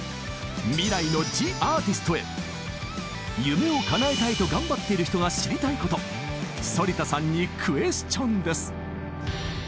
夢をかなえたいと頑張っている人が知りたいこと反田さんにクエスチョンです！